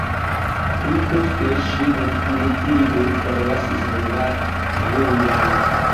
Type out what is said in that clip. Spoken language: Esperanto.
Pli poste ŝi definitive forlasis Hungarujon.